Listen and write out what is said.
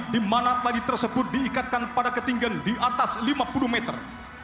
dimana tali tersebut diikatkan pada ketinggian di atas lima puluh meter